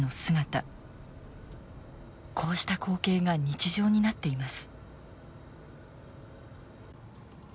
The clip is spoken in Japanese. こうした光景が日常になっています。